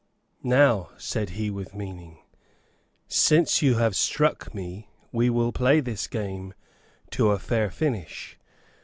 "Now," said he, with meaning, "since you have struck me we will play this game to a fair finish.